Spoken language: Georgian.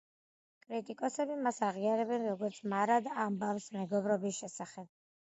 კრიტიკოსები მას აღიარებენ, როგორც მარად ამბავს მეგობრობის შესახებ.